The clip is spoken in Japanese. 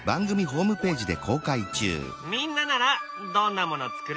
みんなならどんなもの作る？